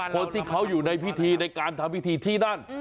คนที่เขาอยู่ในพิธีในการทำพิธีที่นั่น